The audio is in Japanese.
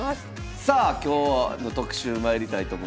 さあ今日の特集まいりたいと思います。